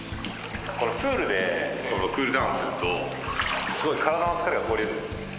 プールでクールダウンするとすごい体の疲れが取れるんですよね。